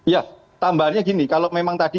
ya tambahannya gini kalau memang tadi